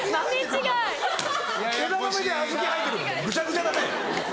ぐちゃぐちゃだね。